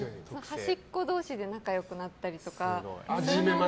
端っこ同士で仲良くなったりとか。